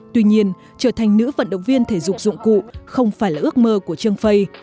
tuy nhiên trở thành nữ vận động viên thể dục dụng cụ không phải là ước mơ của trương phây